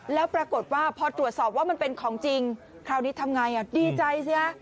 แล้วปรากฏว่าพอตรวจสอบว่ามันเป็นของจริงคราวนี้ทำไงดีใจสิฮะ